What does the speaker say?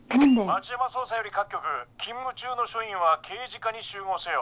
町山捜査より各局勤務中の署員は刑事課に集合せよ。